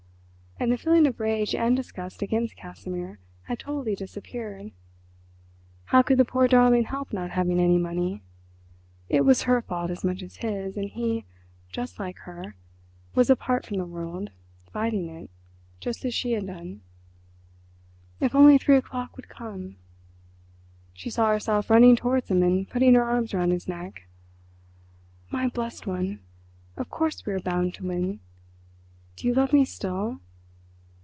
And the feeling of rage and disgust against Casimir had totally disappeared. How could the poor darling help not having any money? It was her fault as much as his, and he, just like her, was apart from the world, fighting it, just as she had done. If only three o'clock would come. She saw herself running towards him and putting her arms round his neck. "My blessed one! Of course we are bound to win. Do you love me still?